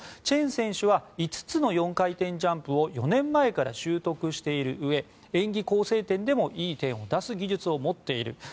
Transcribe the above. チェン選手は５つの４回転ジャンプを４年前から習得しているうえ演技構成点でもいい点を出す技術を持っている。